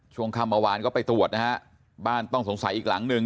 ช่วงค่ำเมื่อวานก็ไปตรวจนะฮะบ้านต้องสงสัยอีกหลังหนึ่ง